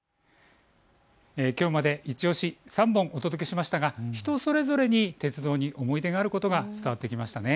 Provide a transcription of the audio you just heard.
きょうまでいちオシ３本お届けしましたが、人それぞれに鉄道に思い出があることが伝わってきましたね。